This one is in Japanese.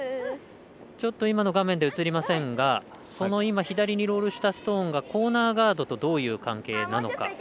ちょっと今の画面で映りませんが左にロールしたストーンがコーナーガードとどういう関係なのか。